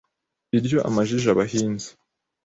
Iryo amajije abahinza